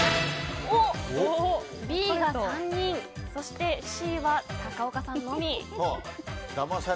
Ｂが３人そして、Ｃは高岡さんのみ。